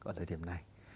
ở thời điểm này